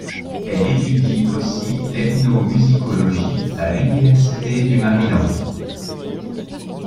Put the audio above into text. Elle étudie aussi l'ethnomusicologie à l'Université du Maryland.